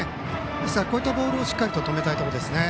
ですからこういったボールをしっかりと止めたいところですね。